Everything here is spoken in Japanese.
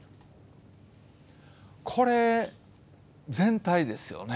これ、全体ですよね。